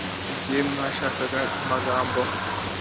igihe mwashakashakaga amagambo